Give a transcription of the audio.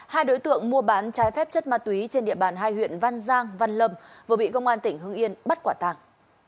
hai đối tượng mua bán trái phép chất ma túy trên địa bàn hai huyện văn giang văn lâm vừa bị công an tỉnh hưng yên bắt quả tàng